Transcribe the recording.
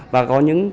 và có những